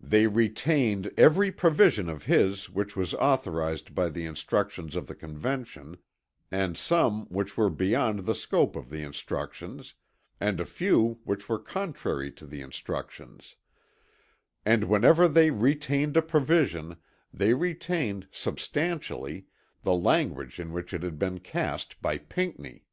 They retained every provision of his which was authorized by the instructions of the Convention, and some which were beyond the scope of the instructions and a few which were contrary to the instructions; and whenever they retained a provision, they retained, substantially, the language in which it had been cast by Pinckney.